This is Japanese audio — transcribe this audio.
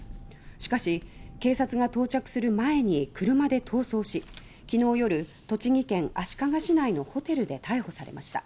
しかし警察が到着する前に車で逃走し昨日夜、栃木県足利市内のホテルで逮捕されました。